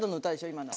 今の。